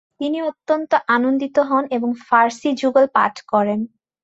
তিনি অত্যন্ত আনন্দিত হন এবং ফার্সি যুগলপাঠ করেন: